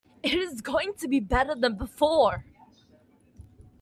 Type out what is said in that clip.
It is going to be better than before.